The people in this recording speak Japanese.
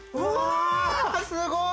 すごい！